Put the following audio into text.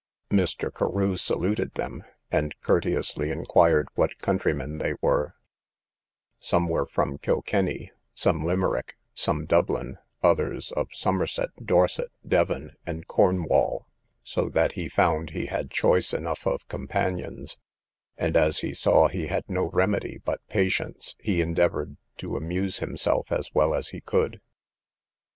Mr. Carew saluted them, and courteously inquired what countrymen they were: some were from Kilkenny, some Limeric, some Dublin, others of Somerset, Dorset, Devon, and Cornwall; so that he found he had choice enough of companions, and, as he saw he had no remedy but patience, he endeavoured to amuse himself as well as he could.